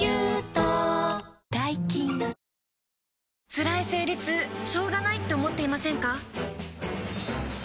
つらい生理痛しょうがないって思っていませんか？